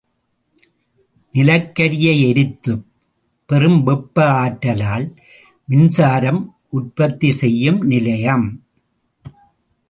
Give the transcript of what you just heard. நிலக்கரியை எரித்துப் பெறும் வெப்ப ஆற்றலால் மின்சாரம் உற்பத்தி செய்யும் நிலையம்.